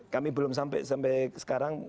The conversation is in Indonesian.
kami belum sampai sekarang